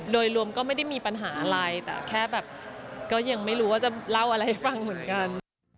โดยรวมก็ไม่ได้มีปัญหาอะไรแต่แค่แบบก็ยังไม่รู้ว่าจะเล่าอะไรให้ฟังเหมือนกัน